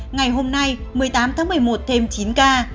ngày hôm nay một mươi tám tháng một mươi một thêm chín ca